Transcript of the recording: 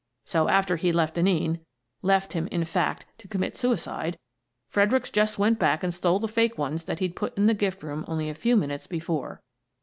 So, after he'd left Denneen — left him, in fact, to commit suicide — Fredericks just went back and stole the fake ones that he'd put in the gift room only a few minutes before."